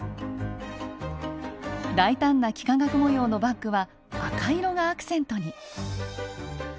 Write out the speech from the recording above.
大胆な幾何学模様のバッグは赤色がアクセントに。